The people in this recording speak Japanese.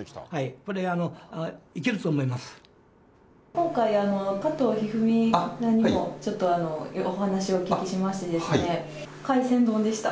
これ、今回、加藤一二三九段にも、ちょっとお話をお聞きしましてですね、海鮮丼でした。